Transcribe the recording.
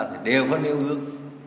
thì đều phải đều hương